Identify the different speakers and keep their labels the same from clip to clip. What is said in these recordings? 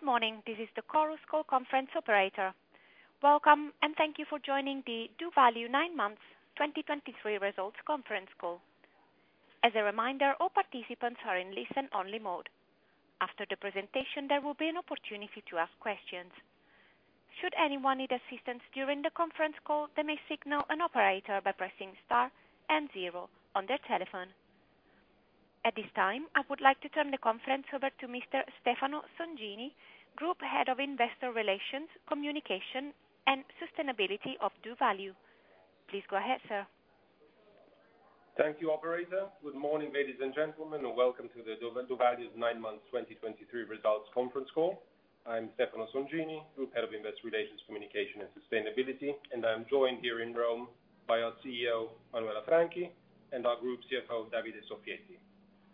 Speaker 1: Good morning, this is the Chorus Call conference operator. Welcome, and thank you for joining the doValue Nine Months 2023 Results Conference Call. As a reminder, all participants are in listen-only mode. After the presentation, there will be an opportunity to ask questions. Should anyone need assistance during the conference call, they may signal an operator by pressing star and zero on their telephone. At this time, I would like to turn the conference over to Mr. Stefano Songini, Group Head of Investor Relations, Communication, and Sustainability of doValue. Please go ahead, sir.
Speaker 2: Thank you, operator. Good morning, ladies and gentlemen, and welcome to the doValue Nine Months 2023 Results Conference Call. I'm Stefano Songini, Group Head of Investor Relations, Communication, and Sustainability, and I'm joined here in Rome by our CEO, Manuela Franchi, and our Group CFO, Davide Soffietti.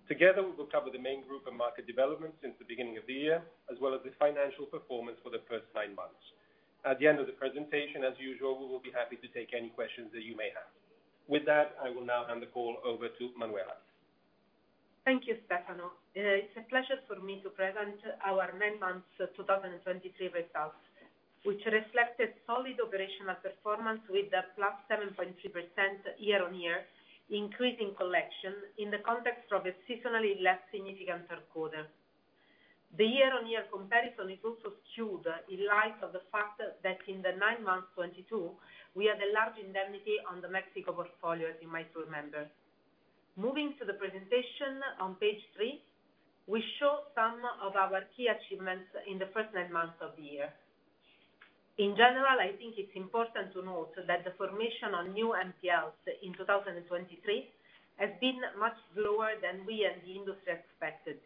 Speaker 2: Together, we will cover the main group and market developments since the beginning of the year, as well as the financial performance for the first nine months. At the end of the presentation, as usual, we will be happy to take any questions that you may have. With that, I will now hand the call over to Manuela.
Speaker 3: Thank you, Stefano. It's a pleasure for me to present our nine months 2023 results, which reflected solid operational performance with a +7.3% year-on-year increase in collection in the context of a seasonally less significant Q3. The year-on-year comparison is also skewed in light of the fact that in the nine months 2022, we had a large indemnity on the Mexico portfolio, as you might remember. Moving to the presentation on page three, we show some of our key achievements in the first nine months of the year. In general, I think it's important to note that the formation on new NPLs in 2023 has been much lower than we and the industry expected.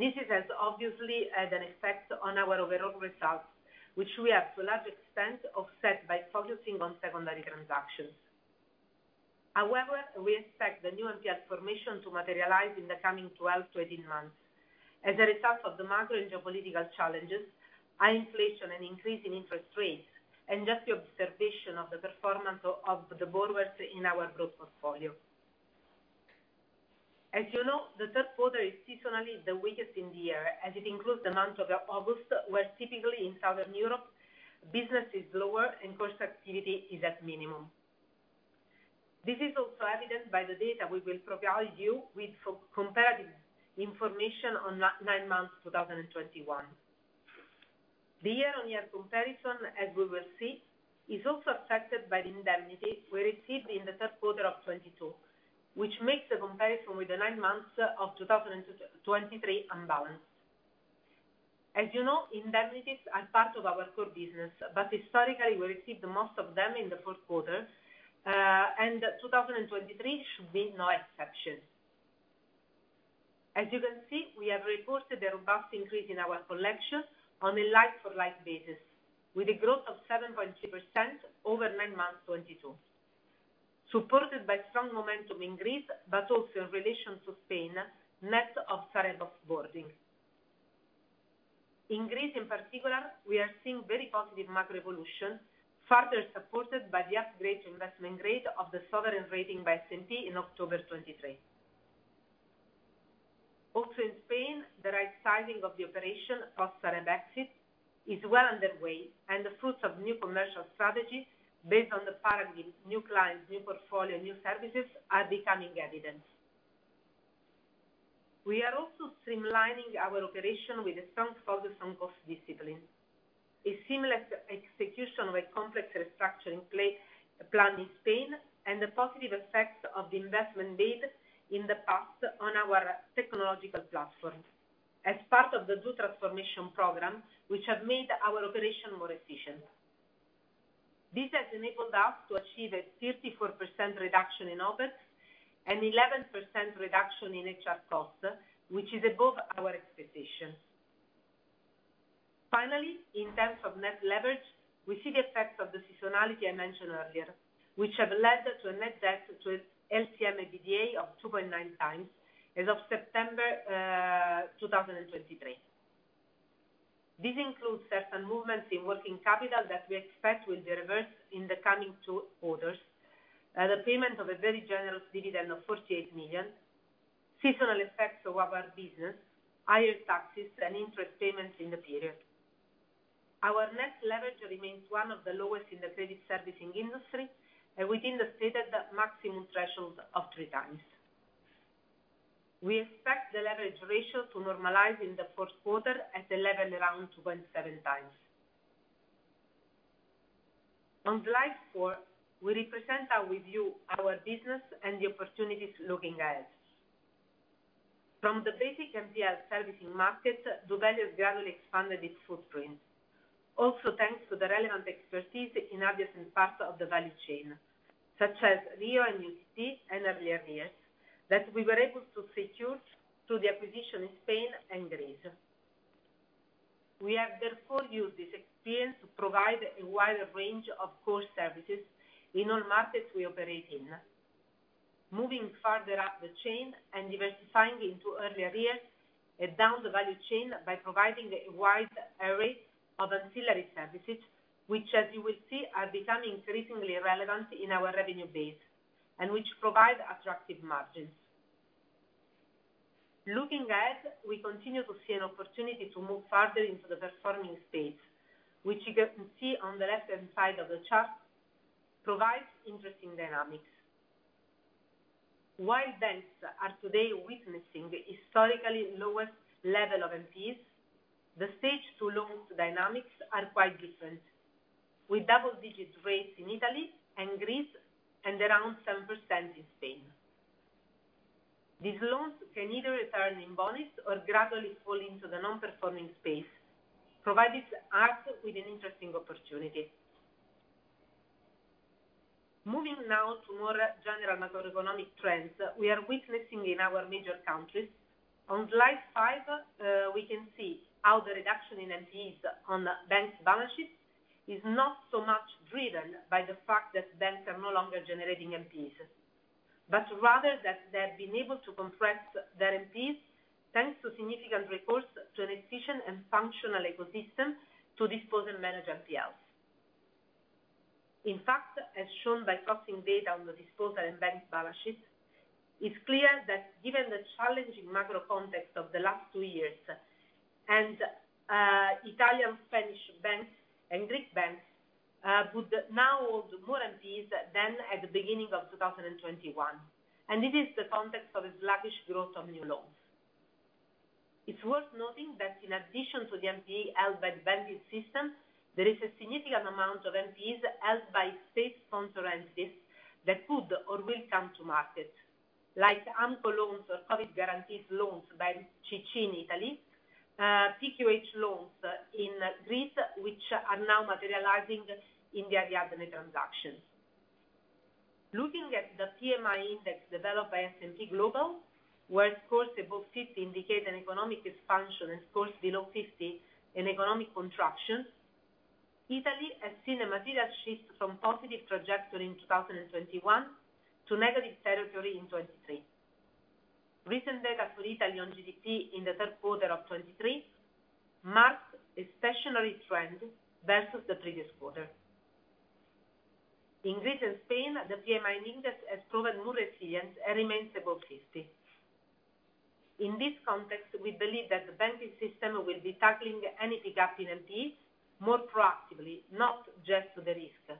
Speaker 3: This has obviously had an effect on our overall results, which we have, to a large extent, offset by focusing on secondary transactions. However, we expect the new NPL formation to materialize in the coming 12-18 months as a result of the macro and geopolitical challenges, high inflation and increase in interest rates, and just the observation of the performance of the borrowers in our growth portfolio. As you know, the Q3 is seasonally the weakest in the year, as it includes the month of August, where typically in Southern Europe, business is lower and cost activity is at minimum. This is also evidenced by the data we will provide you with for comparative information on nine months 2021. The year-on-year comparison, as we will see, is also affected by the indemnity we received in the Q3 of 2022, which makes the comparison with the nine months of 2023 unbalanced. As you know, indemnities are part of our core business, but historically, we received most of them in the Q4, and 2023 should be no exception. As you can see, we have reported a robust increase in our collection on a like-for-like basis, with a growth of 7.3% over nine months 2022, supported by strong momentum in Greece, but also in relation to Spain, net of Sareb off-boarding. In Greece, in particular, we are seeing very positive macro evolution, further supported by the upgrade to investment grade of the sovereign rating by S&P in October 2023. Also in Spain, the right sizing of the operation of Sareb exit is well underway, and the fruits of new commercial strategy based on the paradigm, new clients, new portfolio, new services, are becoming evident. We are also streamlining our operation with a strong focus on cost discipline. A seamless execution with complex restructuring play planned in Spain and the positive effects of the investment made in the past on our technological platform as part of the new transformation program, which have made our operation more efficient. This has enabled us to achieve a 34% reduction in overhead and 11% reduction in HR costs, which is above our expectations. Finally, in terms of net leverage, we see the effects of the seasonality I mentioned earlier, which have led to a net debt to LTM EBITDA of 2.9x as of September 2023. This includes certain movements in working capital that we expect will be reversed in the coming two quarters, the payment of a very general dividend of 48 million, seasonal effects of our business, higher taxes, and interest payments in the period. Our net leverage remains one of the lowest in the credit servicing industry and within the stated maximum threshold of 3x. We expect the leverage ratio to normalize in the Q4 at a level around 2.7x. On slide four, we represent our review, our business, and the opportunities looking ahead. From the basic NPL servicing market, doValue gradually expanded its footprint. Also, thanks to the relevant expertise in adjacent parts of the value chain, such as REO and UTP and Early Arrears, that we were able to secure through the acquisition in Spain and Greece. We have therefore used this experience to provide a wider range of core services in all markets we operate in, moving further up the chain and diversifying into early arrears and down the value chain by providing a wide array of ancillary services, which, as you will see, are becoming increasingly relevant in our revenue base... and which provide attractive margins. Looking ahead, we continue to see an opportunity to move further into the performing space, which you can see on the left-hand side of the chart, provides interesting dynamics. While banks are today witnessing historically lowest level of NPEs, the stage two loans dynamics are quite different, with double-digit rates in Italy and Greece, and around 7% in Spain. These loans can either return in bonis or gradually fall into the non-performing space, providing us with an interesting opportunity. Moving now to more general macroeconomic trends, we are witnessing in our major countries. On slide five, we can see how the reduction in NPEs on banks' balance sheets is not so much driven by the fact that banks are no longer generating NPEs, but rather that they have been able to compress their NPEs, thanks to significant recourse to an efficient and functional ecosystem to dispose and manage NPLs. In fact, as shown by crossing data on the disposal and banks' balance sheets, it's clear that given the challenging macro context of the last two years, and Italian, Spanish banks and Greek banks now hold more NPEs than at the beginning of 2021. This is the context of a sluggish growth of new loans. It's worth noting that in addition to the NPE held by the banking system, there is a significant amount of NPEs held by state-sponsored entities that could or will come to market, like AMCO loans or COVID guarantees loans by MCC in Italy, PQH loans in Greece, which are now materializing in the Ariadne transactions. Looking at the PMI index developed by S&P Global, where scores above 50 indicate an economic expansion and scores below 50, an economic contraction, Italy has seen a material shift from positive trajectory in 2021 to negative territory in 2023. Recent data for Italy on GDP in the Q3 of 2023 marked a stationary trend versus the previous quarter. In Greece and Spain, the PMI index has proven more resilient and remains above 50. In this context, we believe that the banking system will be tackling any pick-up in NPEs more proactively, not just to the risk,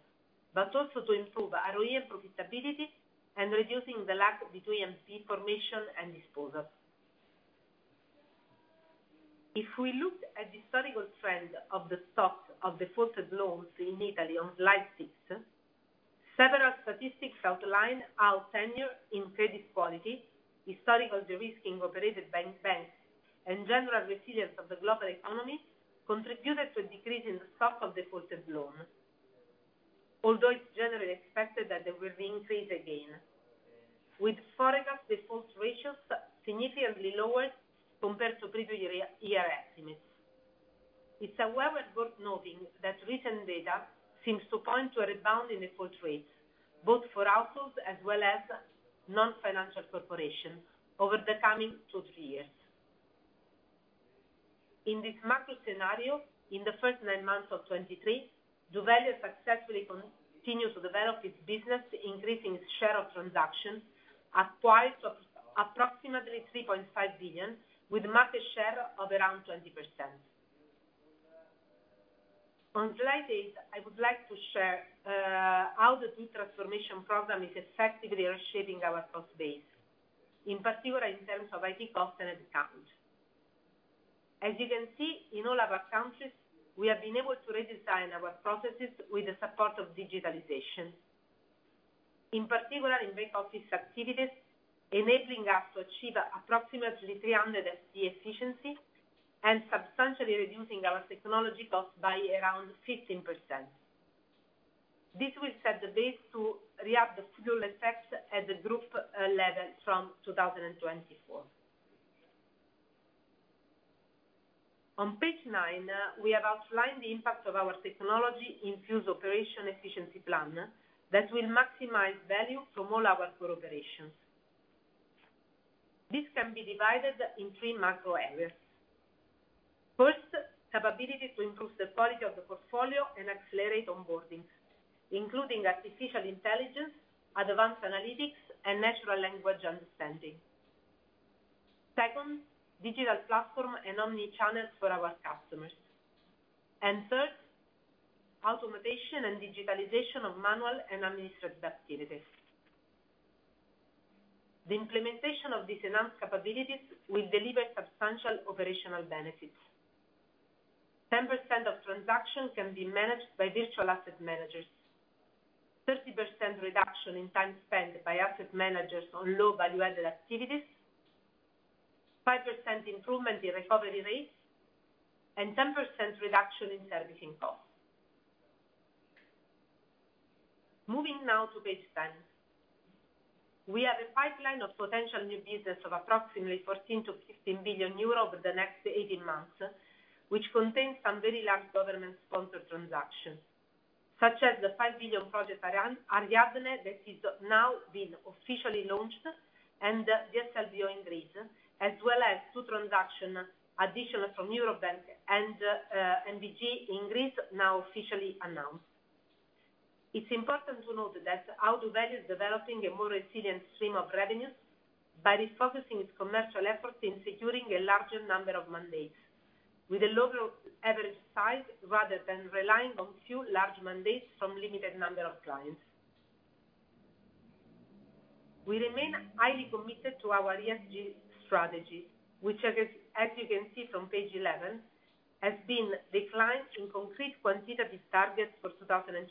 Speaker 3: but also to improve ROE and profitability and reducing the lag between NPE formation and disposal. If we look at the historical trend of the stock of defaulted loans in Italy on slide six, several statistics outline our tenure in credit quality, historical de-risking operated by banks, and general resilience of the global economy contributed to a decrease in the stock of defaulted loans. Although it's generally expected that they will increase again, with forecast default ratios significantly lower compared to previous year, year estimates. It's however, worth noting that recent data seems to point to a rebound in default rates, both for households as well as non-financial corporations over the coming two to three years. In this market scenario, in the first nine months of 2023, doValue successfully continued to develop its business, increasing its share of transactions at twice of approximately 3.5 billion, with market share of around 20%. On slide eight, I would like to share how the new transformation program is effectively reshaping our cost base, in particular in terms of IT cost and head count. As you can see, in all our countries, we have been able to redesign our processes with the support of digitalization. In particular, in back office activities, enabling us to achieve approximately 300 FTE efficiency and substantially reducing our technology cost by around 15%. This will set the base to reap the full effects at the group level from 2024. On page nine, we have outlined the impact of our technology-infused operation efficiency plan that will maximize value from all our core operations. This can be divided in three macro areas. First, capability to improve the quality of the portfolio and accelerate onboarding, including artificial intelligence, advanced analytics, and natural language understanding. Second, digital platform and omni-channel for our customers. And third, automation and digitalization of manual and administrative activities. The implementation of these enhanced capabilities will deliver substantial operational benefits. 10% of transactions can be managed by virtual asset managers, 30% reduction in time spent by asset managers on low value-added activities, 5% improvement in recovery rates, and 10% reduction in servicing costs. Moving now to page 10. We have a pipeline of potential new business of approximately 14 - 15 billion over the next 18 months, which contains some very large government-sponsored transactions, such as the 5 billion project, Ariadne, that is now being officially launched, and the SLB in Greece, as well as two additional transactions from Eurobank and NBG in Greece, now officially announced. It's important to note that doValue is developing a more resilient stream of revenues by refocusing its commercial efforts in securing a larger number of mandates, with a lower average size, rather than relying on few large mandates from limited number of clients. We remain highly committed to our ESG strategy, which, as you can see from page 11, has been defined in concrete quantitative targets for 2023,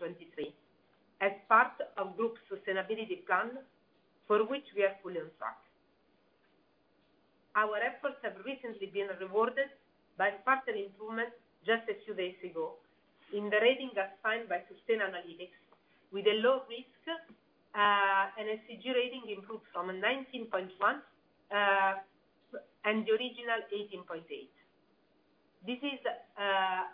Speaker 3: as part of group sustainability plan, for which we are fully on track. Our efforts have recently been rewarded by faster improvement just a few days ago in the rating assigned by Sustainalytics, with a low risk, and a ESG rating improved from a 19.1, and the original 18.8. This is,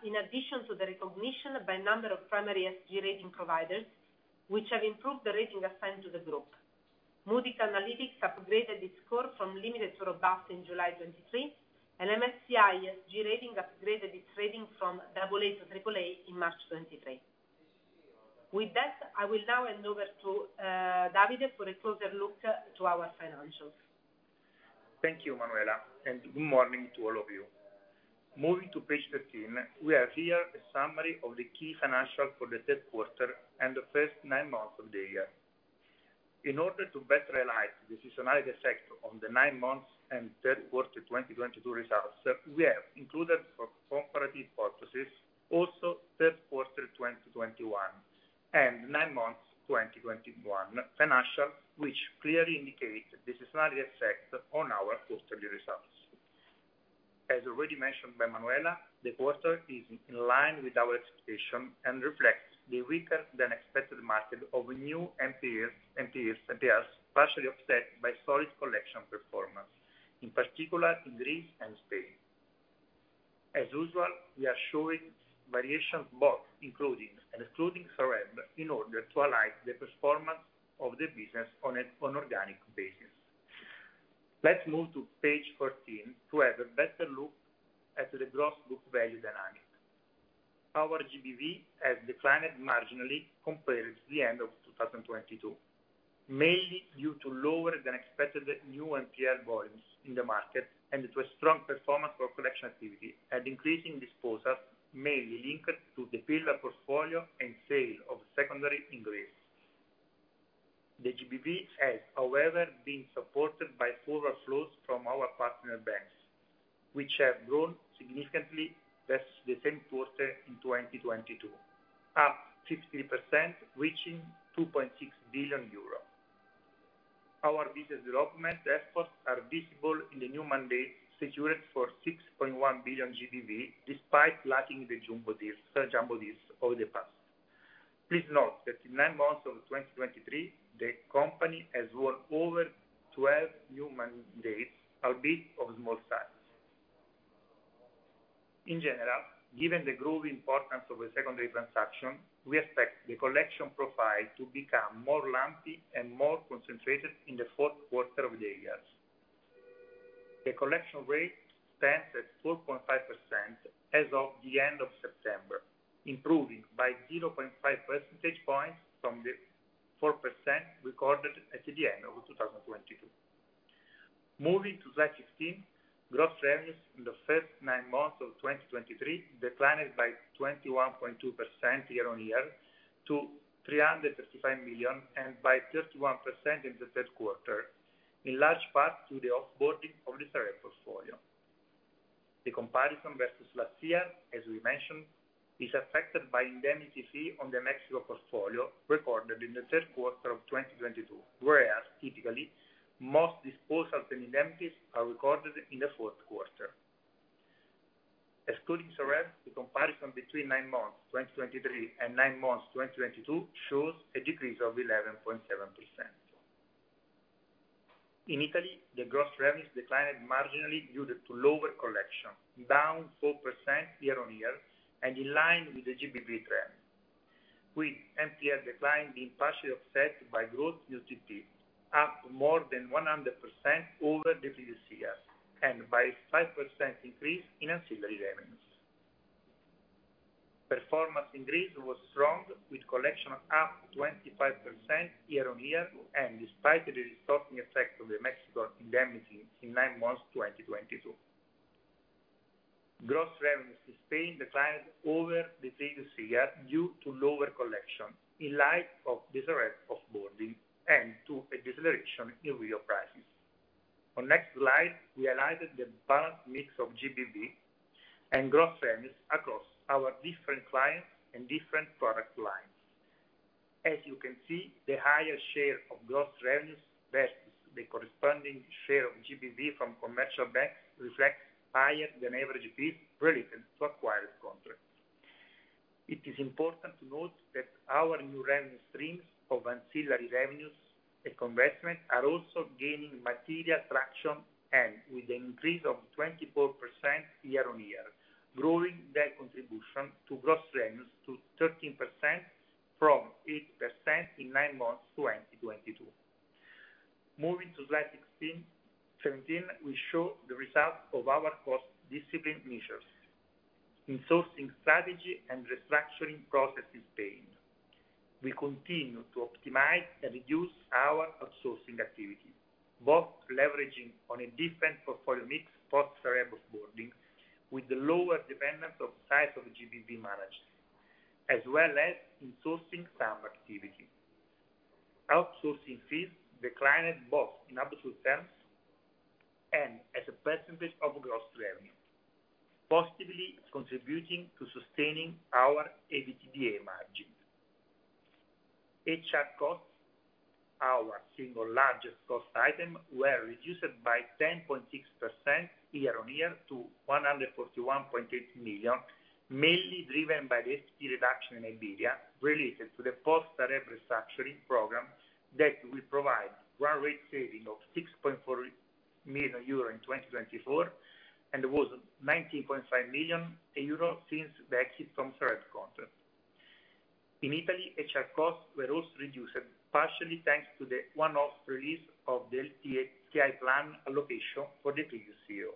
Speaker 3: in addition to the recognition by number of primary ESG rating providers, which have improved the rating assigned to the group. Moody's Analytics upgraded its score from limited to robust in July 2023, and MSCI ESG rating upgraded its rating from AA to AAA in March 2023. With that, I will now hand over to, Davide for a closer look to our financials.
Speaker 4: Thank you, Manuela, and good morning to all of you. Moving to page 13, we have here a summary of the key financial for the Q3 and the first nine months of the year. In order to better align the seasonality effect on the nine months and Q3 2022 results, we have included for comparative purposes, also Q3 2021 and nine months 2021 financial, which clearly indicate the seasonality effect on our quarterly results. As already mentioned by Manuela, the quarter is in line with our expectation and reflects the weaker than expected market of new NPL, NPLs, that are partially offset by solid collection performance, in particular in Greece and Spain. As usual, we are showing variations, both including and excluding Sareb, in order to align the performance of the business on an organic basis. Let's move to page 14 to have a better look at the gross book value dynamic. Our GBV has declined marginally compared to the end of 2022, mainly due to lower than expected new NPL volumes in the market, and to a strong performance for collection activity, and increasing disposals, mainly linked to the pillar portfolio and sale of secondary increase. The GBV has, however, been supported by forward flows from our partner banks, which have grown significantly versus the same quarter in 2022, up 60%, reaching 2.6 billion euros. Our business development efforts are visible in the new mandate, secured for 6.1 billion GBV, despite lacking the jumbo deals, jumbo deals of the past. Please note that in nine months of 2023, the company has won over 12 new mandates, albeit of small size. In general, given the growing importance of a secondary transaction, we expect the collection profile to become more lumpy and more concentrated in the Q4 of the years. The collection rate stands at 4.5% as of the end of September, improving by 0.5 percentage points from the 4% recorded at the end of 2022. Moving to slide 15, gross revenues in the first nine months of 2023 declined by 21.2% year-on-year to 335 million, and by 31% in the Q3, in large part to the off-boarding of the SOREP portfolio. The comparison versus last year, as we mentioned, is affected by indemnity fee on the Mexico portfolio recorded in the Q3 of 2022, whereas typically, most disposal and indemnities are recorded in Q4. Excluding Sareb, the comparison between nine months, 2023, and nine months, 2022, shows a decrease of 11.7%. In Italy, the gross revenues declined marginally due to lower collection, down 4% year-on-year, and in line with the GBV trend, with NPL decline being partially offset by growth UTP, up more than 100% over the previous year, and by 5% increase in ancillary revenues. Performance in Greece was strong, with collection up 25% year-on-year, and despite the distorting effect of the Mexico indemnity in nine months, 2022. Gross revenues in Spain declined over the previous year due to lower collection, in light of the Sareb off-boarding and to a deceleration in real prices. On next slide, we highlighted the balanced mix of GBV and gross revenues across our different clients and different product lines. As you can see, the higher share of gross revenues versus the corresponding share of GBV from commercial banks reflects higher than average fees related to acquired contracts. It is important to note that our new revenue streams of ancillary revenues and investment are also gaining material traction, and with an increase of 24% year-on-year, growing their contribution to gross revenues to 13% from 8% in nine months, 2022. Moving to slide 16, we show the results of our cost discipline measures in sourcing strategy and restructuring processes in Spain. We continue to optimize and reduce our outsourcing activity, both leveraging on a different portfolio mix post-Sareb onboarding, with the lower dependence of size of GBV managed, as well as insourcing some activity. Outsourcing fees declined both in absolute terms and as a percentage of gross revenue, positively contributing to sustaining our EBITDA margin. HR costs, our single largest cost item, were reduced by 10.6% year-on-year to 141.8 million, mainly driven by the SP reduction in Iberia, related to the post-Sareb restructuring program that will provide one rate saving of 6.4 million euro in 2024, and was 19.5 million euro since the exit from Sareb contract. In Italy, HR costs were also reduced, partially thanks to the one-off release of the LTI plan allocation for the previous CEO.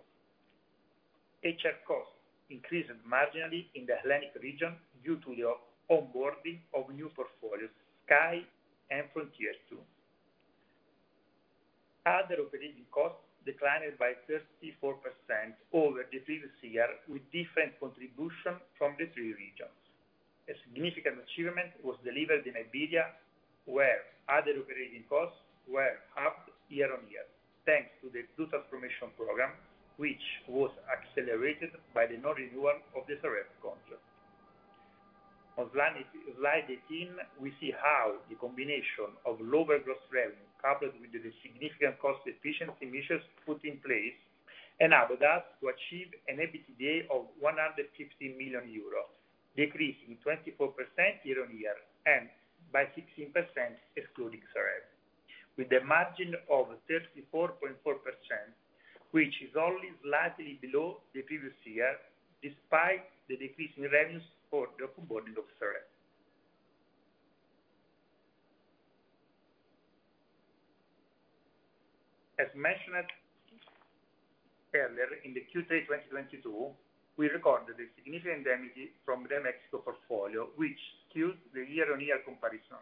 Speaker 4: HR costs increased marginally in the Hellenic region due to the onboarding of new portfolios, Sky and Frontier Two. Other operating costs declined by 34% over the previous year, with different contribution from the three regions. A significant achievement was delivered in Iberia, where other operating costs were up year-on-year, thanks to the two transformation program, which was accelerated by the non-renewal of the Sareb contract. On slide 18, we see how the combination of lower gross revenue, coupled with the significant cost efficiency measures put in place, enabled us to achieve an EBITDA of 150 million euros, decreasing 24% year-on-year, and by 16% excluding Sareb, with a margin of 34.4%, which is only slightly below the previous year, despite the decrease in revenues for the onboarding of Sareb. As mentioned earlier in the Q3 2022, we recorded a significant indemnity from the Mexico portfolio, which skewed the year-on-year comparison.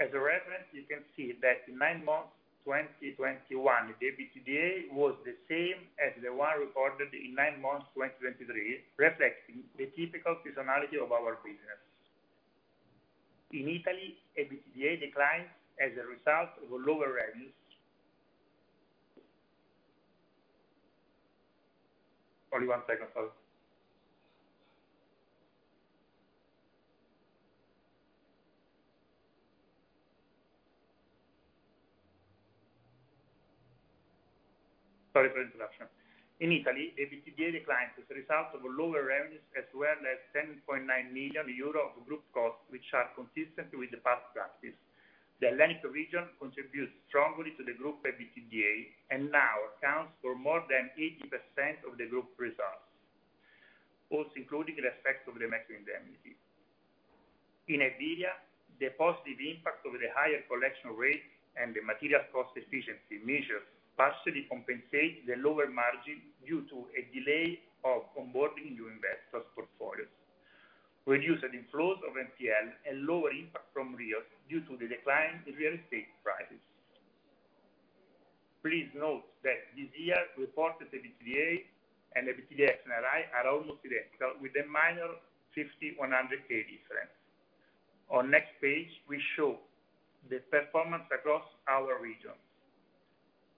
Speaker 4: As a reference, you can see that in nine months, 2021, the EBITDA was the same as the one recorded in nine months, 2023, reflecting the typical seasonality of our business. In Italy, EBITDA declined as a result of lower revenues, as well as 10.9 million euro of group costs, which are consistent with the past practice. The Iberia region contributes strongly to the group EBITDA, and now accounts for more than 80% of the group results, also including the effect of the Mexico indemnity. In Iberia, the positive impact of the higher collection rate and the material cost efficiency measures partially compensate the lower margin due to a delay of onboarding new investors portfolios, reducing the flows of NPL and lower impact from REOs, due to the decline in real estate prices. Please note that this year, reported EBITDA and EBITDANRI are almost identical, with a minor 50,000-100,000 difference. On next page, we show the performance across our regions.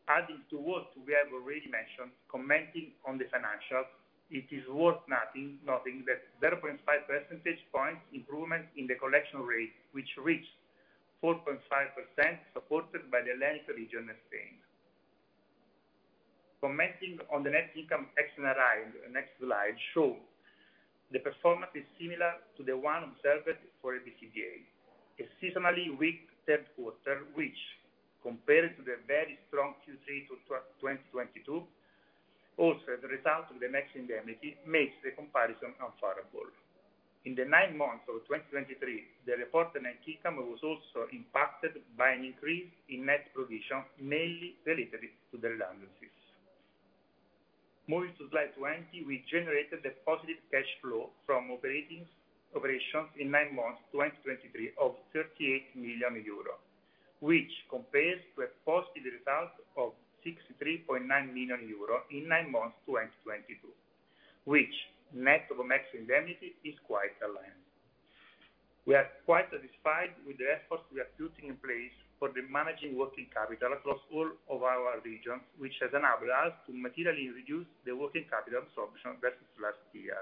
Speaker 4: Adding to what we have already mentioned, commenting on the financials, it is worth noting, noting that 0.5 percentage points improvement in the collection rate, which reached 4.5%, supported by the Hellenic region and Spain. Commenting on the net income action arrived, next slide, show the performance is similar to the one observed for EBITDA. A seasonally weak Q3, which compared to the very strong Q3 to 2022, also as a result of the Nexi indemnity, makes the comparison unfavorable. In the nine months of 2023, the reported net income was also impacted by an increase in net provision, mainly related to the delinquencies. Moving to slide 20, we generated a positive cash flow from operating operations in nine months, 2023, of 38 million euro, which compares to a positive result of 63.9 million euro in nine months, 2022, which net of Mexico indemnity, is quite aligned. We are quite satisfied with the efforts we are putting in place for the managing working capital across all of our regions, which has enabled us to materially reduce the working capital absorption versus last year.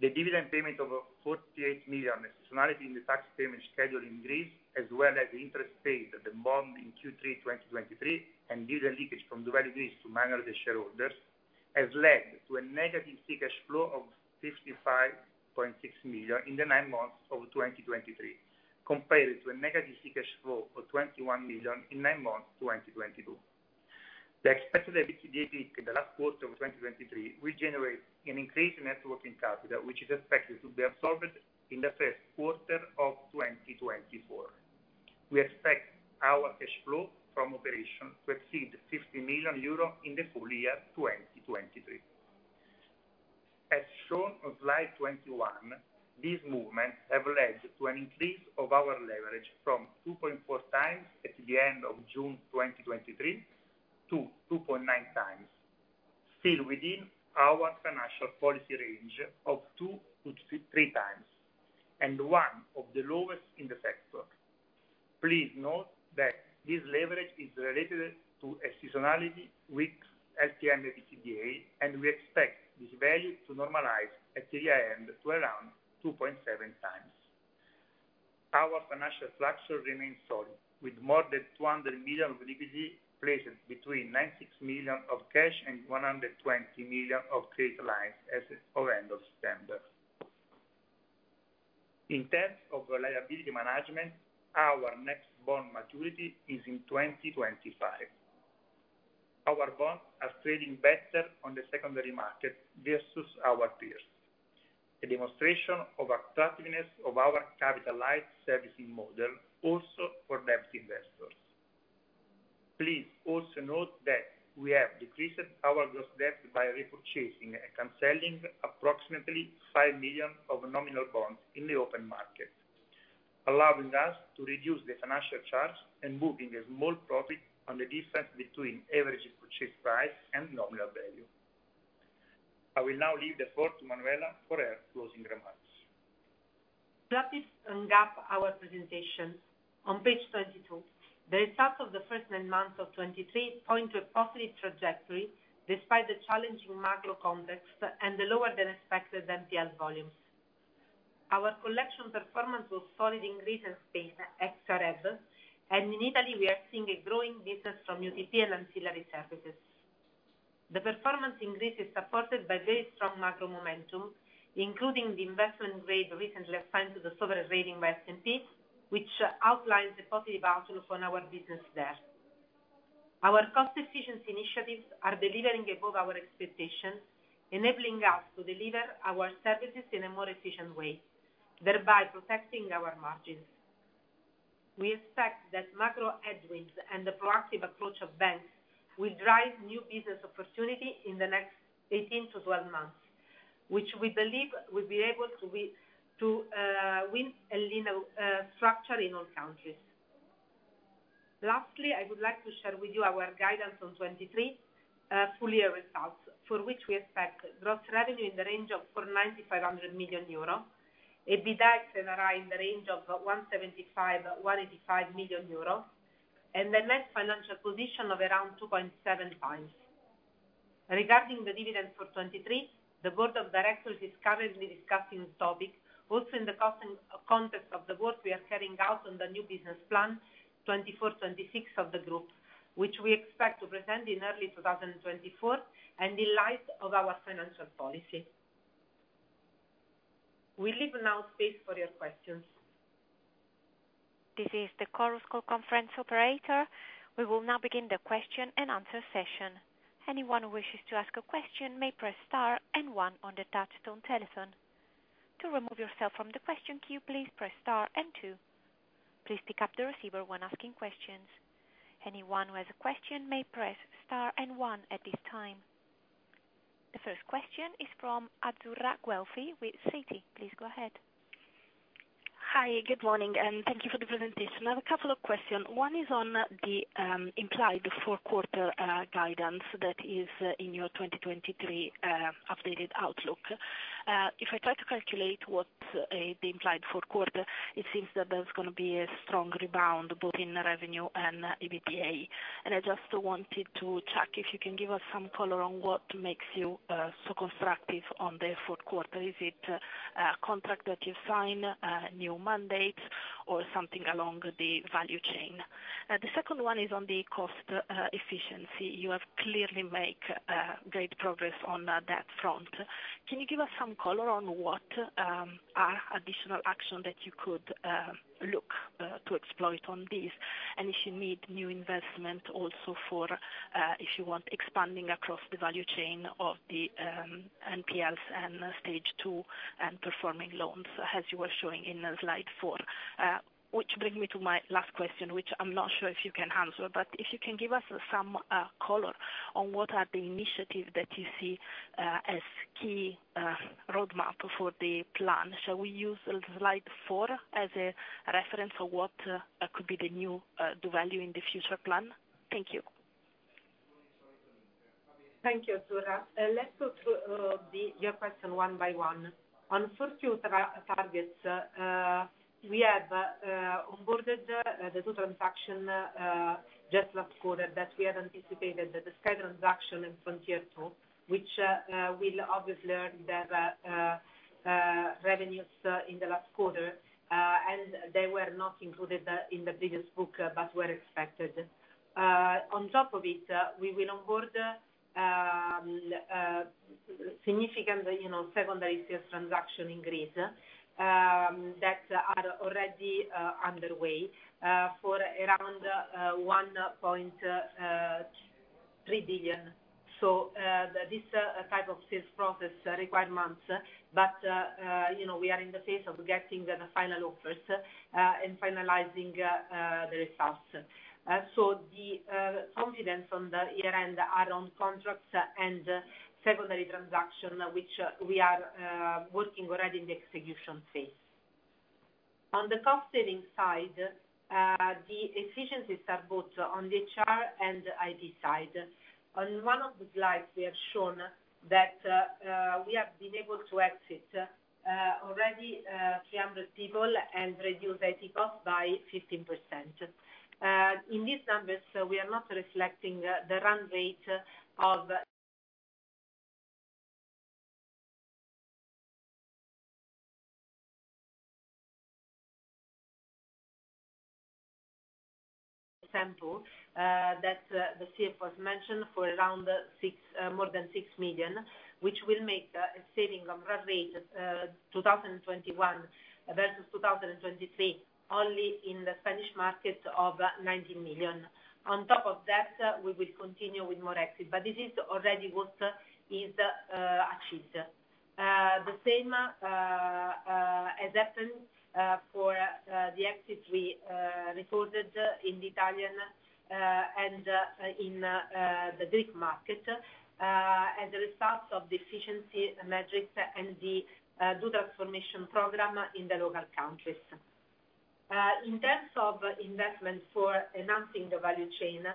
Speaker 4: The dividend payment of 48 million, seasonality in the tax payment schedule in Greece, as well as the interest paid at the bond in Q3 2023, and dividend leakage from doValue Greece to minority shareholders, has led to a negative free cash flow of 55.6 million in the nine months of 2023, compared to a negative free cash flow of 21 million in nine months 2022. The expected EBITDA in the last quarter of 2023 will generate an increased net working capital, which is expected to be absorbed in the Q1 of 2024. We expect our cash flow from operation to exceed 50 million euro in the full year 2023. As shown on slide 21, these movements have led to an increase of our leverage from 2.4x at the end of June 2023, to 2.9x, still within our financial policy range of 2-3x, and one of the lowest in the sector. Please note that this leverage is related to a seasonality with LTM EBITDA, and we expect this value to normalize at year-end to around 2.7x. Our financial structure remains solid, with more than 200 million of liquidity placed between 96 of cash and 120 million of credit lines as of end of September. In terms of treasury management, our next bond maturity is in 2025. Our bonds are trading better on the secondary market versus our peers, a demonstration of attractiveness of our capitalized servicing model also for debt investors. Please also note that we have decreased our gross debt by repurchasing and canceling approximately 5 million of nominal bonds in the open market, allowing us to reduce the financial charge and booking a small profit on the difference between average purchase price and nominal value. I will now leave the floor to Manuela for her closing remarks.
Speaker 3: Let us sum up our presentation. On page 22, the results of the first nine months of 2023 point to a positive trajectory, despite the challenging macro context and the lower than expected NPL volumes. Our collection performance was solid in Greece and Spain, ex-Sareb, and in Italy, we are seeing a growing business from UTP and ancillary services. The performance in Greece is supported by very strong macro momentum, including the investment grade recently assigned to the sovereign rating by S&P, which outlines the positive outlook on our business there. Our cost efficiency initiatives are delivering above our expectations, enabling us to deliver our services in a more efficient way, thereby protecting our margins. We expect that macro headwinds and the proactive approach of banks will drive new business opportunity in the next 12 to 18 months, which we believe will be able to be in a linear structure in all countries. Lastly, I would like to share with you our guidance on 2023 full year results, for which we expect gross revenue in the range of 495-500 million euro, EBITDA ex-NRI in the range of 175-185 million euro, and the net financial position of around 2.7x. Regarding the dividend for 2023, the board of directors is currently discussing this topic, also in the context of the work we are carrying out on the new business plan 2024-2026 of the group, which we expect to present in early 2024, and in light of our financial policy. We leave now space for your questions.
Speaker 1: This is the Chorus Call conference operator. We will now begin the question-and-answer session. Anyone who wishes to ask a question may press star and one on the touchtone telephone. To remove yourself from the question queue, please press star and two. Please pick up the receiver when asking questions. Anyone who has a question may press star and one at this time. The first question is from Azzurra Guelfi with Citi. Please go ahead.
Speaker 5: Hi, good morning, and thank you for the presentation. I have a couple of questions. One is on the implied Q4 guidance that is in your 2023 updated outlook. If I try to calculate what the implied Q4, it seems that there's gonna be a strong rebound, both in revenue and EBITDA. And I just wanted to check if you can give us some color on what makes you so constructive on the Q4. Is it contract that you sign new mandate, or something along the value chain? The second one is on the cost efficiency. You have clearly make great progress on that front. Can you give us some color on what are additional action that you could look to exploit on this? If you need new investment also for, if you want, expanding across the value chain of the NPLs and Stage 2 and performing loans, as you were showing in slide four. Which bring me to my last question, which I'm not sure if you can answer, but if you can give us some color on what are the initiatives that you see as key roadmap for the plan. Shall we use slide four as a reference for what could be the new, the value in the future plan? Thank you.
Speaker 3: Thank you, Azzurra. Let's go through then your question one by one. On Q4 targets, we have onboarded the two transaction just last quarter that we had anticipated, the Sky transaction and Frontier 2, which will obviously earn the revenues in the last quarter, and they were not included in the business book, but were expected. On top of it, we will onboard the significant, you know, secondary sales transaction in Greece that are already underway for around 1.3 billion. So, this type of sales process require months, but, you know, we are in the phase of getting the final offers and finalizing the results. So the confidence on the year-end are on contracts and secondary transaction, which we are working already in the execution phase. On the cost-saving side, the efficiencies are both on the HR and IT side. On one of the slides, we have shown that we have been able to exit already 300 people and reduce IT cost by 15%. In these numbers, we are not reflecting the run rate that the CFO has mentioned for more than 6 million, which will make a saving on run rate 2021 versus 2023 only in the Spanish market of 19 million. On top of that, we will continue with more exit, but this is already what is achieved. The same as happened for the exit we recorded in the Italian and in the Greek market as a result of the efficiency metrics and the digital transformation program in the local countries. In terms of investment for enhancing the value chain,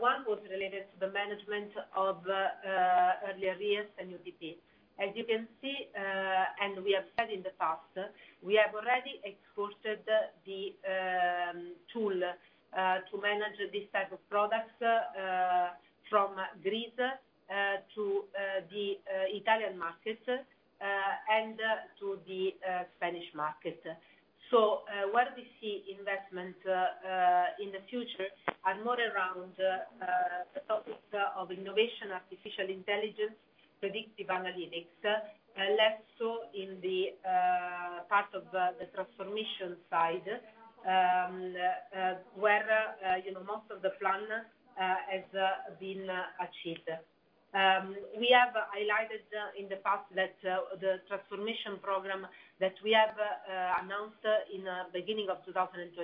Speaker 3: one was related to the management of early arrears and UTP. As you can see, and we have said in the past, we have already exported the tool to manage this type of products from Greece to the Italian market and to the Spanish market. So, where we see investment in the future are more around the topic of innovation, artificial intelligence, predictive analytics, less so in the part of the transformation side, where, you know, most of the plan has been achieved. We have highlighted in the past that the transformation program that we have announced in beginning of 2022,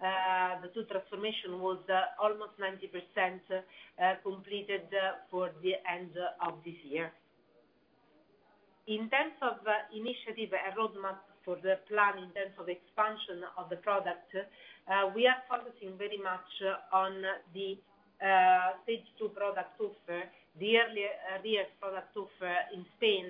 Speaker 3: the transformation was almost 90% completed for the end of this year. In terms of initiative and roadmap for the plan, in terms of expansion of the product, we are focusing very much on the Stage 2 product offer, the early arrears product offer in Spain,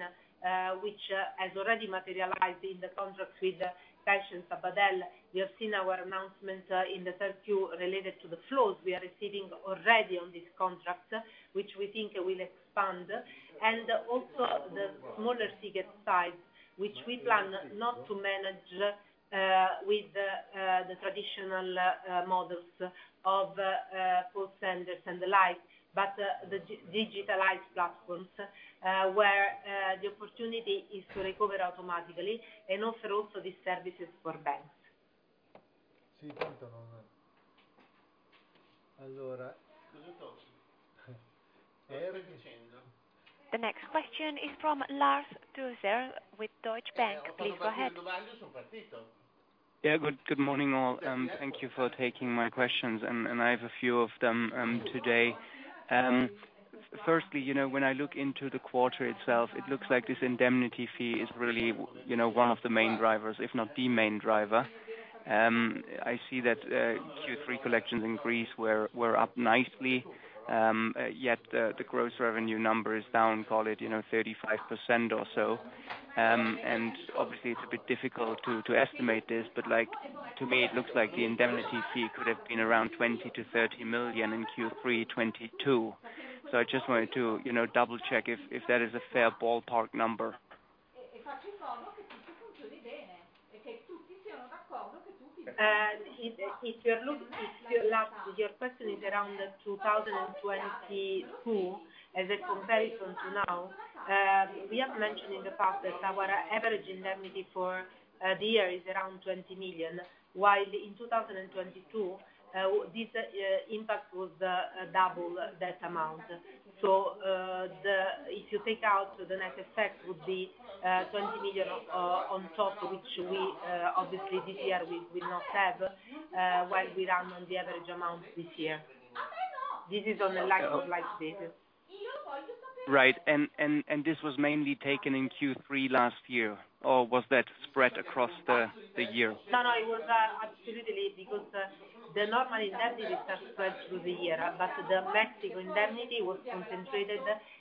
Speaker 3: which has already materialized in the contract with CaixaBank, Sabadell. You have seen our announcement in the Q3 related to the flows we are receiving already on this contract, which we think will expand. And also the smaller ticket side, which we plan not to manage with the traditional models of call centers and the like, but the digitalized platforms, where the opportunity is to recover automatically and offer also these services for banks.
Speaker 1: The next question is from Lars Dueser with Deutsche Bank. Please go ahead.
Speaker 6: Yeah. Good morning, all. Thank you for taking my questions, and I have a few of them today. Firstly, you know, when I look into the quarter itself, it looks like this indemnity fee is really, you know, one of the main drivers, if not the main driver. I see that Q3 collections in Greece were up nicely, yet the gross revenue number is down, call it, you know, 35% or so. And obviously, it's a bit difficult to estimate this, but, like, to me, it looks like the indemnity fee could have been around 20-30 million in Q3 2022. So I just wanted to, you know, double-check if that is a fair ballpark number.
Speaker 3: If you're looking, Lars, your question is around 2022 as a comparison to now, we have mentioned in the past that our average indemnity for the year is around 20 million, while in 2022, this impact was double that amount. So, the... If you take out, the net effect would be 20 million on top, which we obviously this year we not have, while we run on the average amount this year. This is on the like, on live data.
Speaker 6: Right. And this was mainly taken in Q3 last year, or was that spread across the year?
Speaker 3: No, no, it was absolutely because the normal indemnity are spread through the year, but the Mexico indemnity was concentrated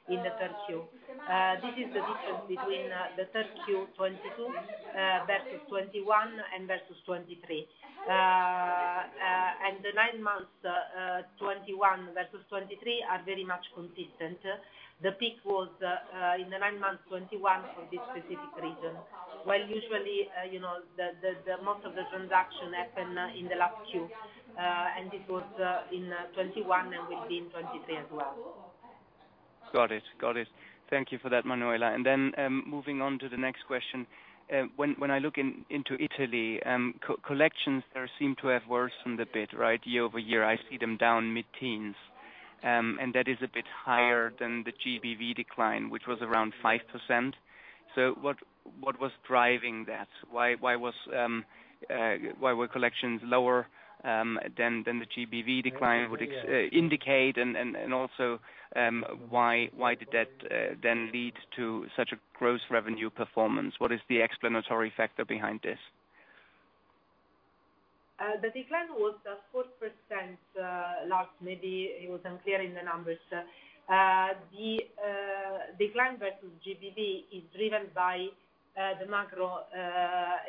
Speaker 3: in Q3. This is the difference between Q3 2022 versus 2021 and versus 2023. And the nine months 2021 versus 2023 are very much consistent. The peak was in the nine months 2021 for this specific reason. While usually, you know, the most of the transaction happened in the last quarter, and this was in 2021, and will be in 2023 as well....
Speaker 6: Got it. Got it. Thank you for that, Manuela. And then, moving on to the next question. When I look into Italy, collections there seem to have worsened a bit, right? Year-over-year, I see them down mid-teens. And that is a bit higher than the GBV decline, which was around 5%. So what was driving that? Why were collections lower than the GBV decline would indicate? And also, why did that then lead to such a gross revenue performance? What is the explanatory factor behind this?
Speaker 3: The decline was 4% last. Maybe it was unclear in the numbers. The decline versus GBV is driven by the macro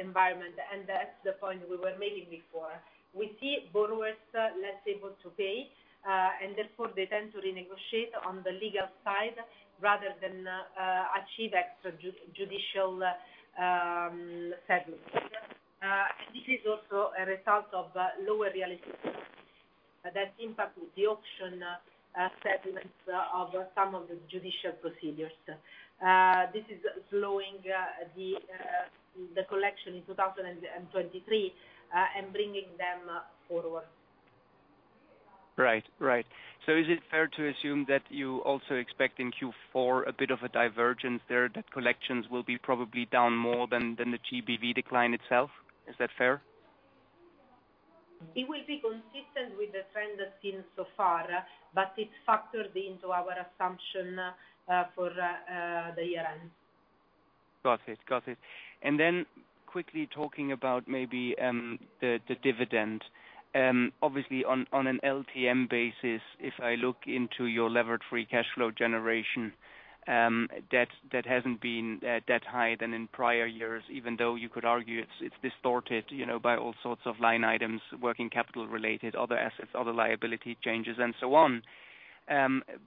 Speaker 3: environment, and that's the point we were making before. We see borrowers less able to pay, and therefore they tend to renegotiate on the legal side rather than achieve extra-judicial settlement. This is also a result of lower recoveries that impact the auction settlements of some of the judicial procedures. This is slowing the collection in 2023, and bringing them forward.
Speaker 6: Right. Right. So is it fair to assume that you also expect in Q4 a bit of a divergence there, that collections will be probably down more than the GBV decline itself? Is that fair?
Speaker 3: It will be consistent with the trend seen so far, but it's factored into our assumption for the year end.
Speaker 6: Got it. Got it. And then quickly talking about maybe the dividend. Obviously, on an LTM basis, if I look into your levered free cash flow generation, that hasn't been that high than in prior years, even though you could argue it's distorted, you know, by all sorts of line items, working capital related, other assets, other liability changes, and so on.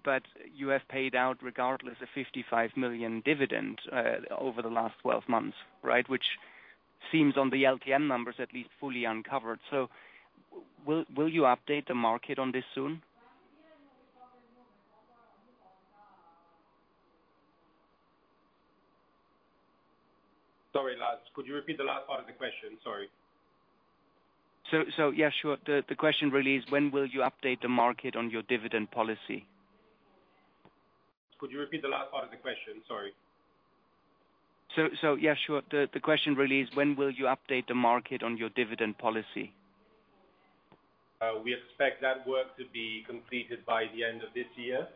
Speaker 6: But you have paid out, regardless, a 55 million dividend over the last 12 months, right? Which seems, on the LTM numbers, at least, fully uncovered. So will you update the market on this soon?
Speaker 2: Sorry, Lars, could you repeat the Lars part of the question? Sorry.
Speaker 6: So, yeah, sure. The question really is: when will you update the market on your dividend policy?
Speaker 2: Could you repeat the last part of the question? Sorry.
Speaker 6: Yeah, sure. The question really is: when will you update the market on your dividend policy?
Speaker 2: We expect that work to be completed by the end of this year.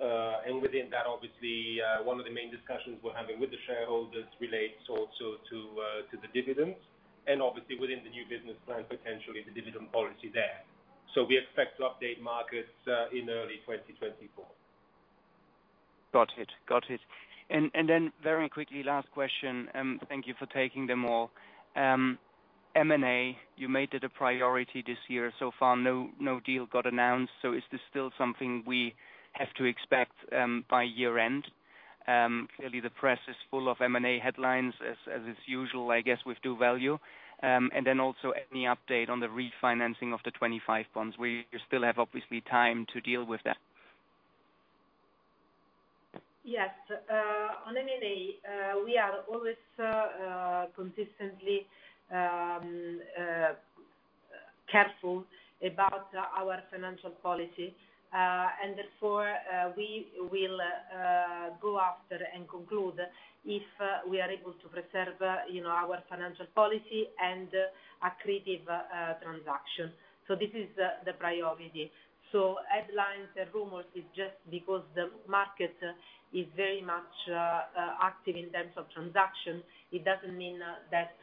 Speaker 2: And within that, obviously, one of the main discussions we're having with the shareholders relates also to the dividends, and obviously within the new business plan, potentially the dividend policy there. So we expect to update markets in early 2024.
Speaker 6: Got it. Got it. And then very quickly, last question, thank you for taking them all. M&A, you made it a priority this year. So far, no deal got announced, so is this still something we have to expect by year end? Clearly the press is full of M&A headlines as is usual, I guess, with doValue. And then also, any update on the refinancing of the 25 bonds? We still have, obviously, time to deal with that.
Speaker 3: Yes. On M&A, we are always consistently careful about our financial policy, and therefore, we will go after and conclude if we are able to preserve, you know, our financial policy and accretive transaction. This is the priority. Headlines and rumors is just because the market is very much active in terms of transaction. It doesn't mean that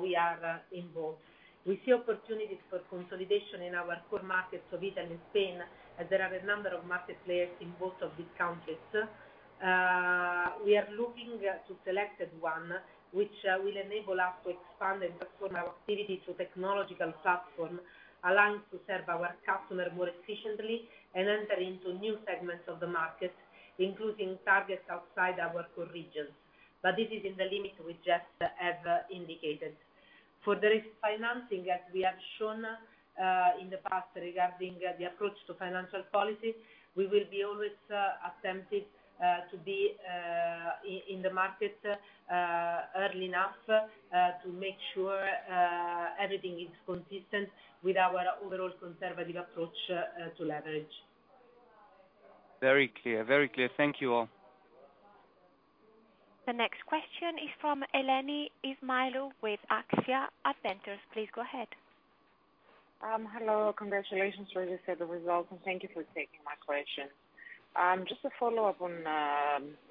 Speaker 3: we are involved. We see opportunities for consolidation in our core markets of Italy and Spain, as there are a number of market players in both of these countries. We are looking to selected one, which will enable us to expand and perform our activity to technological platform, allowing to serve our customer more efficiently and enter into new segments of the market, including targets outside our core regions. But this is in the limit we just have indicated. For the refinancing, as we have shown in the past regarding the approach to financial policy, we will be always attempted to be in the market early enough to make sure everything is consistent with our overall conservative approach to leverage.
Speaker 6: Very clear. Very clear. Thank you, all.
Speaker 1: The next question is from Eleni Ismailou with Axia Ventures. Please go ahead.
Speaker 7: Hello. Congratulations for the set, the results, and thank you for taking my question. Just a follow-up on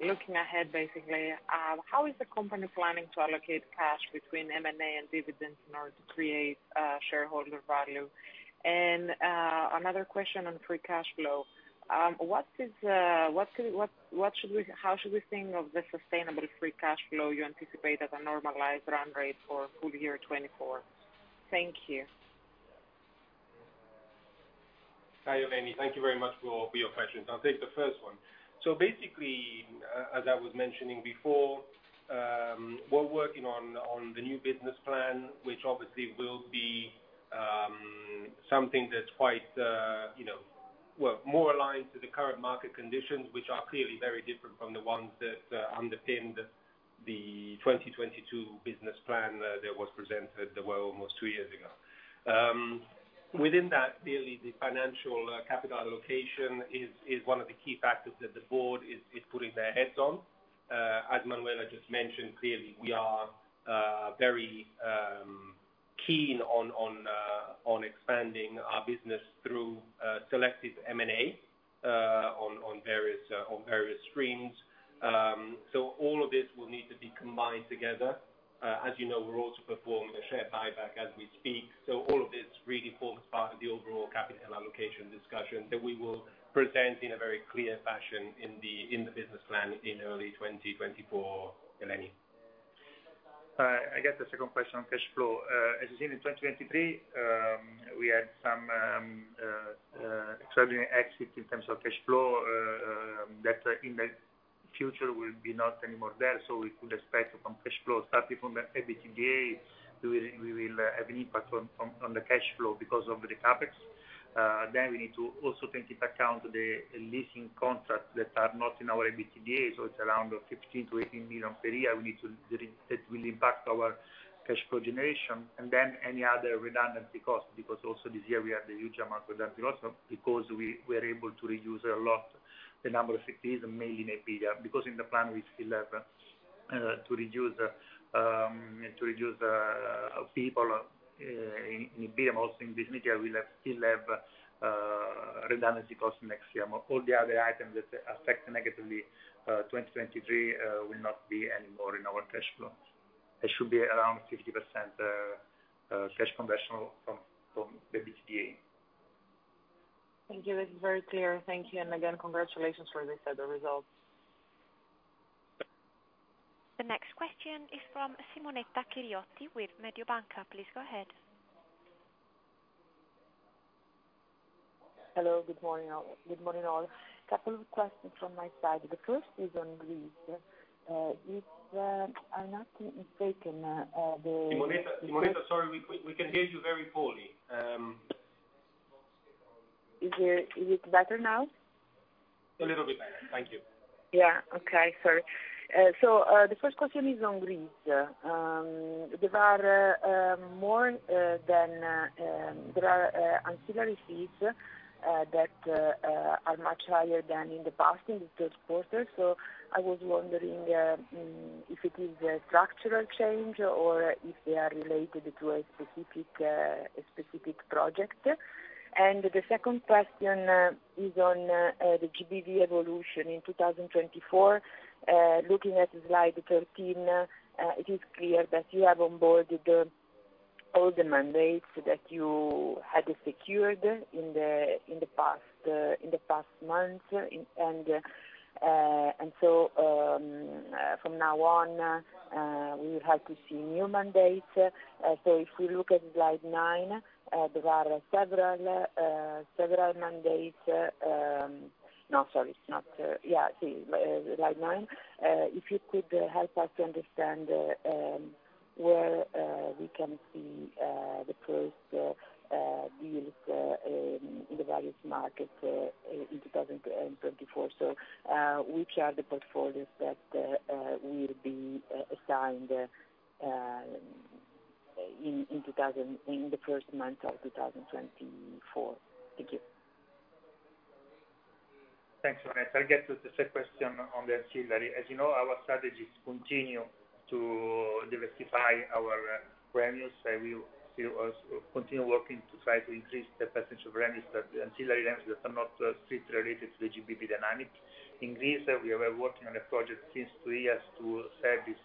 Speaker 7: looking ahead, basically. How is the company planning to allocate cash between M&A and dividends in order to create shareholder value? And another question on free cash flow. What should we think of the sustainable free cash flow you anticipate as a normalized run rate for full year 2024? Thank you.
Speaker 2: Hi, Eleni. Thank you very much for your questions. I'll take the first one. So basically, as I was mentioning before, we're working on the new business plan, which obviously will be something that's quite, you know, well, more aligned to the current market conditions, which are clearly very different from the ones that underpinned the 2022 business plan, that was presented, well, almost two years ago. Within that, clearly, the financial capital allocation is one of the key factors that the board is putting their heads on. As Manuela just mentioned, clearly, we are very keen on expanding our business through selective M&A on various streams. So all of this will need to be combined together. As you know, we're also performing a share buyback as we speak. So all of this really forms part of the overall capital allocation discussion that we will present in a very clear fashion in the business plan in early 2024, Eleni.
Speaker 4: I get the second question on cash flow. As you seen in 2023, we had some extraordinary exit in terms of cash flow, that in the future will be not anymore there, so we could expect from cash flow, starting from the EBITDA, we will have an impact on the cash flow because of the CapEx. Then we need to also take into account the leasing contracts that are not in our EBITDA, so it's around 15 - 18 million per year. We need to that will impact our cash flow generation, and then any other redundancy cost, because also this year we have the huge amount of redundancy, also because we were able to reduce a lot the number of cities, mainly in Iberia, because in the plan we still have to reduce people in Iberia. Also, in this year, we'll still have redundancy cost next year. All the other items that affect negatively 2023 will not be any more in our cash flows. It should be around 50% cash conversion from the EBITDA.
Speaker 7: Thank you. It's very clear. Thank you. And again, congratulations for this, results.
Speaker 1: The next question is from Simonetta Chiriotti with Mediobanca. Please go ahead.
Speaker 8: Hello, good morning, all. Good morning, all. Couple of questions from my side. The first is on Greece. If I'm not mistaken, the-
Speaker 2: Simonetta, Simonetta, sorry, we can hear you very poorly.
Speaker 8: Is it better now?
Speaker 2: A little bit better. Thank you.
Speaker 8: Yeah, okay. Sorry. The first question is on Greece. There are more ancillary fees that are much higher than in the past, in the Q3. So I was wondering if it is a structural change or if they are related to a specific project. And the second question is on the GBV evolution in 2024. Looking at slide 13, it is clear that you have onboarded all the mandates that you had secured in the past months. And from now on, we will have to see new mandates. If we look at slide nine, there are several mandates. No, sorry, it's not, yeah, see slide nine. If you could help us to understand where we can see the first deals in the various markets in 2024. So, which are the portfolios that will be assigned in the first month of 2024? Thank you.
Speaker 4: Thanks, Simonetta. I'll get to the second question on the ancillary. As you know, our strategy is to continue to diversify our revenues, and we will also continue working to try to increase the potential revenues, the ancillary revenues, that are not strictly related to the GBV dynamic. In Greece, we are working on a project since two years to service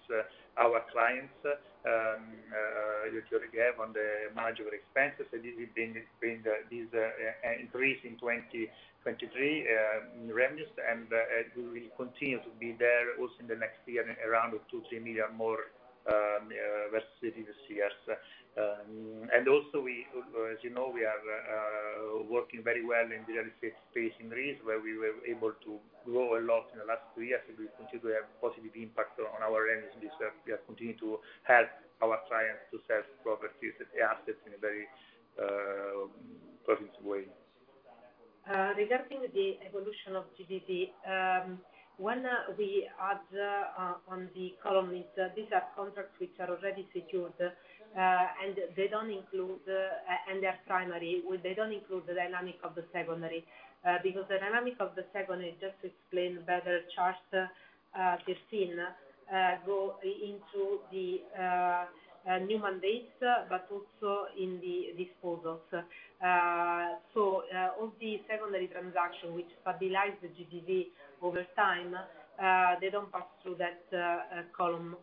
Speaker 4: our clients, which already have on the marginal expenses. So this has been an increase in 2023 revenues, and it will continue to be there also in the next year, around 2-3 million more versus this years. And also we, as you know, we are working very well in the real estate space in Greece, where we were able to grow a lot in the last two years, and we continue to have a positive impact on our revenues. This, we are continuing to help our clients to sell properties and assets in a very positive way.
Speaker 3: Regarding the evolution of GBV, when we add on the column, these are contracts which are already secured, and they don't include, and they're primary, they don't include the dynamic of the secondary. Because the dynamic of the secondary, just to explain better, chart 15 go into the new mandates, but also in the disposals. So, all the secondary transaction, which stabilize the GBV over time, they don't pass through that column.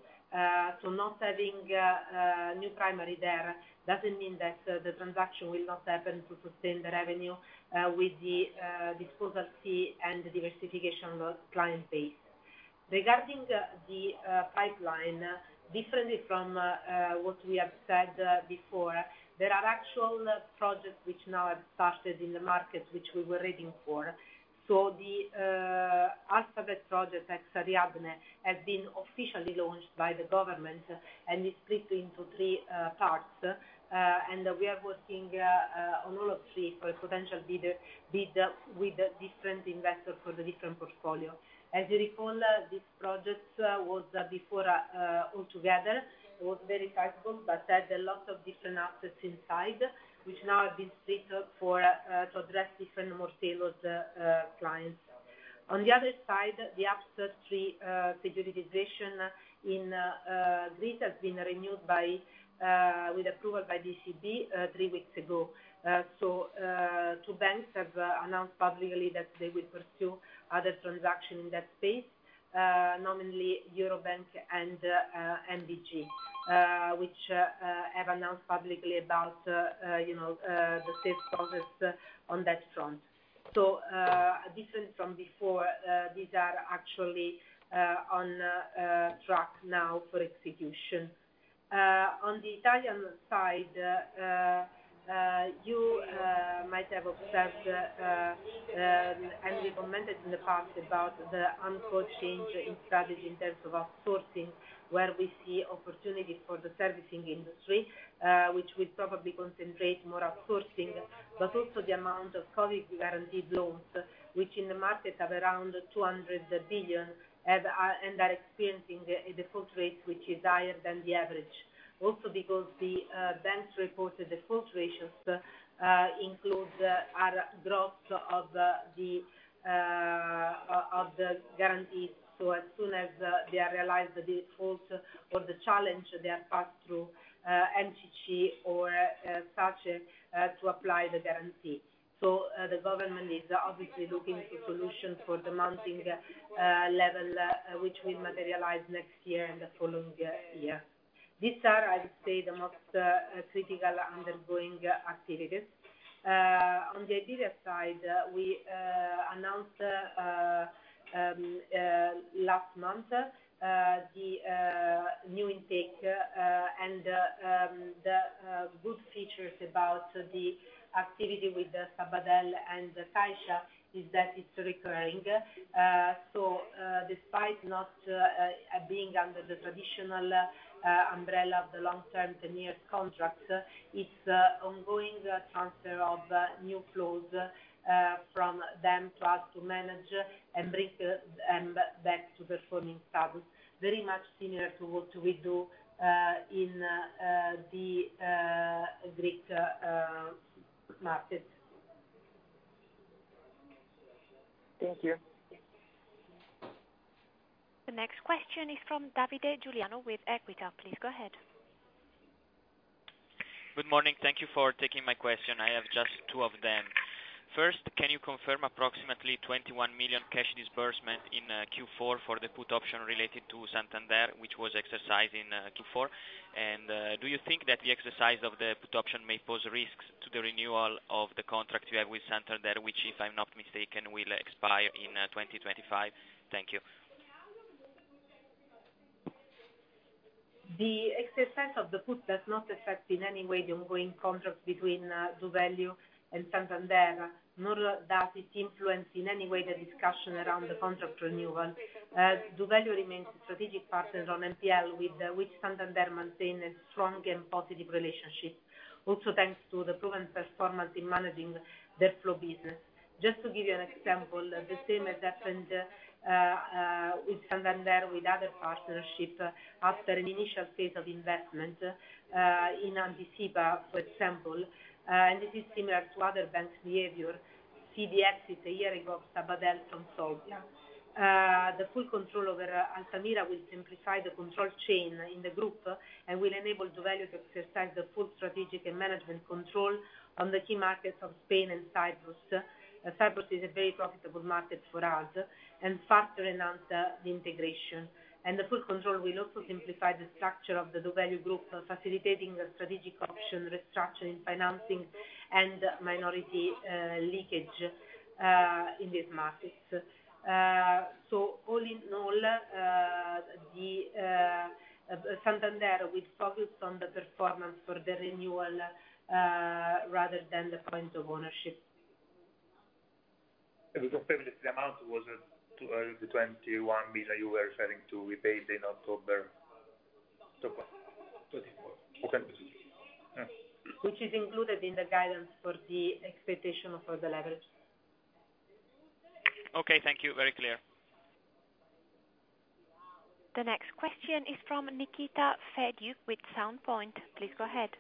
Speaker 3: So not having a new primary there, doesn't mean that the transaction will not happen to sustain the revenue, with the disposal fee and the diversification of client base. Regarding the pipeline, differently from what we have said before, there are actual projects which now have started in the market, which we were waiting for. So the Alphabet project at Sareb has been officially launched by the government and is split into three parts. And we are working on all three for potential bids with a different investor for the different portfolio. As you recall, this project was before all together. It was very flexible, but had a lot of different assets inside, which now have been split up for to address different, more tailored clients. On the other side, the Hercules securitization in Greece has been renewed with approval by ECB three weeks ago. So, two banks have announced publicly that they will pursue other transaction in that space, nominally Eurobank and NBG, which have announced publicly about, you know, the HAPS process on that front. So, different from before, these are actually on track now for execution. On the Italian side, you might have observed, and we commented in the past about the unfolding change in strategy in terms of outsourcing, where we see opportunities for the servicing industry, which will probably concentrate more outsourcing, but also the amount of COVID guaranteed loans, which in the market have around 200 billion, and are experiencing the default rate, which is higher than the average. Also, because the banks reported default ratios includes are gross of the of the guarantees. So as soon as they are realized, the defaults or the challenge they are passed through NCG or such to apply the guarantee. So the government is obviously looking for solutions for the mounting level which will materialize next year and the following year. These are, I would say, the most critical ongoing activities. On the Iberia side, we announced last month the new intake and the good features about the activity with the Sabadell and the Caixa is that it's recurring. So, despite not being under the traditional umbrella of the long-term tenured contract, it's ongoing transfer of new flows from them to us to manage and bring them back to performing status. Very much similar to what we do in the Greek market.
Speaker 8: Thank you.
Speaker 1: The next question is from Davide Giuliano with Equita. Please go ahead.
Speaker 9: Good morning. Thank you for taking my question. I have just two of them. First, can you confirm approximately 21 million cash disbursement in Q4 for the put option related to Santander, which was exercised in Q4? And do you think that the exercise of the put option may pose risks to the renewal of the contract you have with Santander, which, if I'm not mistaken, will expire in 2025? Thank you.
Speaker 3: The exercise of the put does not affect in any way the ongoing contract between doValue and Santander, nor does it influence in any way the discussion around the contract renewal. doValue remains strategic partners on NPL with Santander, maintain a strong and positive relationship. Also, thanks to the proven performance in managing their flow business. Just to give you an example, the same has happened with Santander, with other partnerships after an initial phase of investment in Anticipa, for example, and this is similar to other banks' behavior. See the exit a year ago, Sabadell from Solvia. The full control over Altamira will simplify the control chain in the group and will enable doValue to exercise the full strategic and management control on the key markets of Spain and Cyprus. Cyprus is a very profitable market for us, and further enhance the integration. The full control will also simplify the structure of the doValue group, facilitating the strategic option, restructuring, financing, and minority leakage in these markets. So all in all, the Santander will focus on the performance for the renewal, rather than the point of ownership.
Speaker 4: We confirm the amount was 21 million you were referring to, we paid in October?
Speaker 3: Twenty-four.
Speaker 4: Okay. Yeah.
Speaker 3: Which is included in the guidance for the expectation for the leverage.
Speaker 9: Okay, thank you. Very clear.
Speaker 1: The next question is from Nikita Fedyuk with Sound Point. Please go ahead.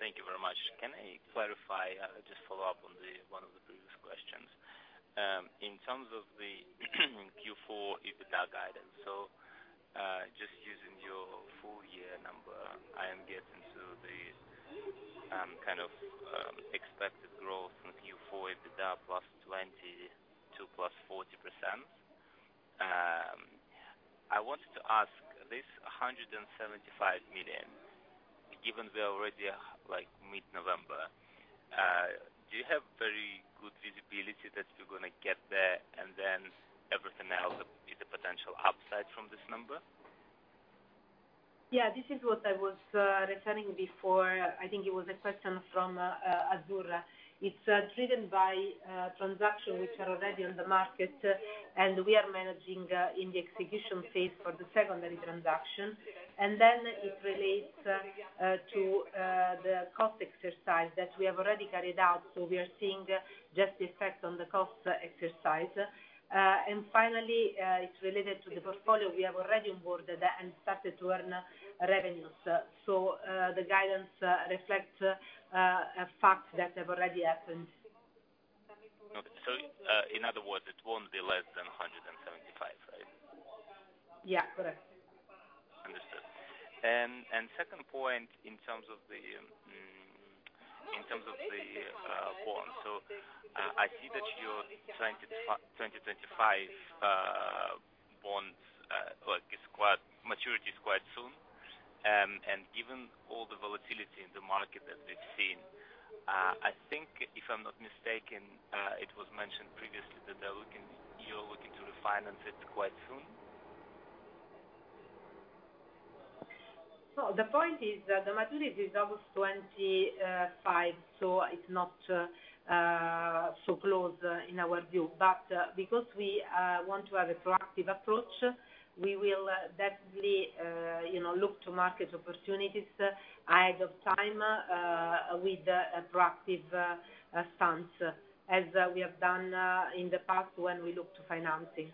Speaker 10: Thank you very much. Can I clarify, just follow up on one of the previous questions? In terms of the Q4 EBITDA guidance, so, just using your full year number, I am getting to the kind of expected growth from Q4 EBITDA +20% to +40%. I wanted to ask, this 175 million, given we are already, like, mid-November, do you have very good visibility that you're gonna get there, and then everything else is a potential upside from this number?
Speaker 3: Yeah, this is what I was referring before. I think it was a question from Azzurra. It's driven by transaction, which are already on the market, and we are managing in the execution phase for the secondary transaction. And then it relates to the cost exercise that we have already carried out, so we are seeing just the effect on the cost exercise. And finally, it's related to the portfolio we have already onboarded and started to earn revenues. So, the guidance reflects a fact that have already happened.
Speaker 10: Okay. So, in other words, it won't be less than 175, right?
Speaker 3: Yeah, correct.
Speaker 10: Understood. Second point, in terms of the bond. So I see that your 2025 bonds, like, maturity is quite soon. Given all the volatility in the market as we've seen, I think, if I'm not mistaken, it was mentioned previously that you're looking to refinance it quite soon?
Speaker 3: So the point is that the maturity is August 2025, so it's not so close, in our view. But because we want to have a proactive approach, we will definitely, you know, look to market opportunities ahead of time, with a proactive stance, as we have done, in the past when we look to financing.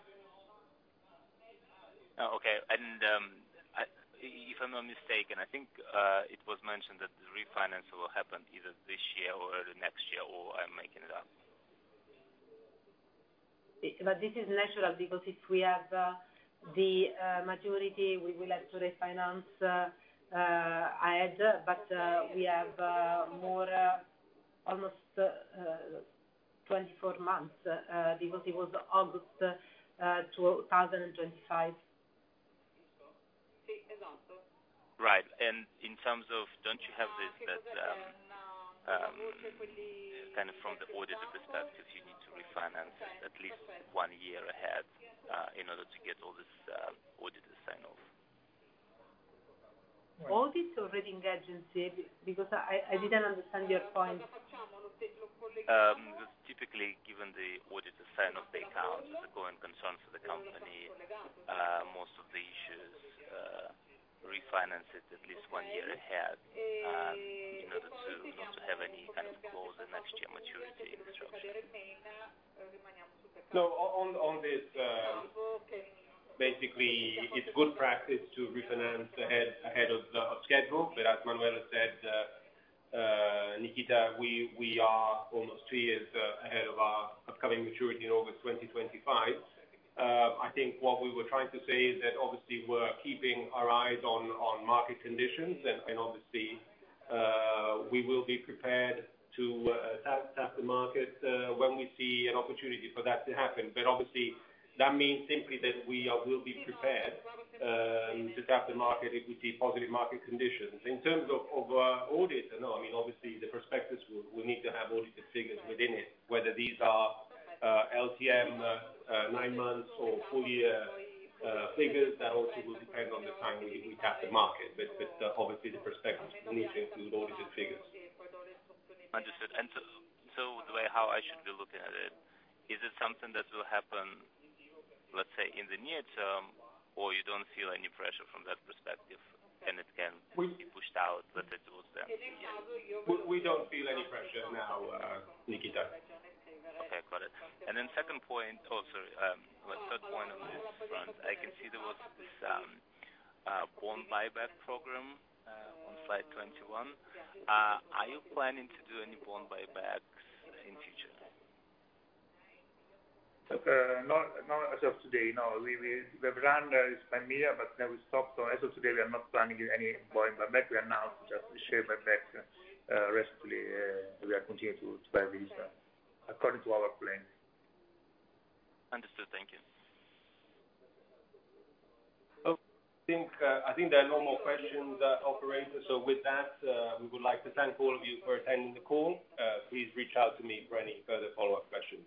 Speaker 10: Okay. And, if I'm not mistaken, I think it was mentioned that the refinance will happen either this year or the next year, or I'm making it up.
Speaker 3: But this is natural, because if we have the maturity, we will have to refinance ahead. But we have more almost 24 months, because it was August 2025.
Speaker 10: Right. And in terms of, don't you have this, that, kind of from the auditor's perspective, you need to refinance at least one year ahead, in order to get all this, auditor sign-off?
Speaker 3: Audit or rating agency? Because I, I didn't understand your point.
Speaker 10: Typically, given the auditor sign off the account as a going concern for the company, most of the issues refinance it at least one year ahead, in order to not to have any kind of clause the next year maturity issues.
Speaker 2: So, on this, basically, it's good practice to refinance ahead of schedule. But as Manuela said, Nikita, we are almost two years ahead of our upcoming maturity in August 2025. I think what we were trying to say is that obviously we're keeping our eyes on market conditions, and obviously, we will be prepared to tap the market when we see an opportunity for that to happen. But obviously, that means simply that we will be prepared to tap the market if we see positive market conditions. In terms of audit, no, I mean, obviously, the perspectives, we need to have audited figures within it, whether these are LTM nine months or full year figures. That also will depend on the timing we tap the market. But obviously, the perspectives, we need to load the figures.
Speaker 10: Understood. And so, the way how I should be looking at it, is this something that will happen, let's say, in the near term, or you don't feel any pressure from that perspective, and it can be pushed out, but it was there?
Speaker 2: We don't feel any pressure now, Nikita.
Speaker 10: Okay, got it. And then second point... Oh, sorry, my third point on this front: I can see there was this bond buyback program on slide 21. Are you planning to do any bond buybacks in future?
Speaker 4: No, not as of today, no. We, we've run this by year, but then we stopped. So as of today, we are not planning any buyback. We are now just share buyback recently. We are continuing to drive this according to our plan.
Speaker 10: Understood. Thank you.
Speaker 2: Okay. I think, I think there are no more questions, operator. So with that, we would like to thank all of you for attending the call. Please reach out to me for any further follow-up questions.